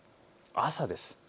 朝です。